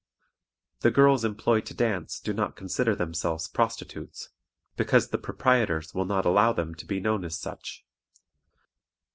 The girls employed to dance do not consider themselves prostitutes, because the proprietors will not allow them to be known as such.